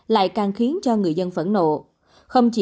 lại càng khiến cho người dân phẫn nộ